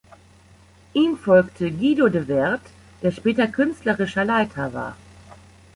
Ihm folgte Guido de Werd, der später künstlerischer Leiter war.